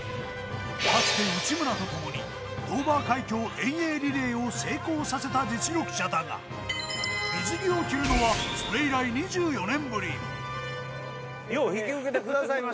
かつて内村と共にドーバー海峡遠泳リレーを成功させた実力者だが、水着を着るのは、それ以来よう引き受けてくださいまし